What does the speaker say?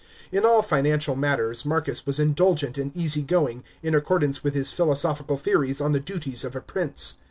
In all financial matters Marcus was indulgent and easy going, in accordance with his philosophical theories on the duties of a prince.